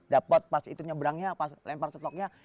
dapet pas itu nyebrangnya pas lempar setoknya